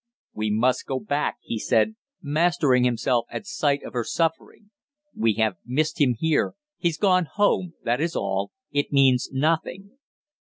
"We must go back!" he said, mastering himself at sight of her suffering. "We have missed him here, he's gone home, that is all it means nothing."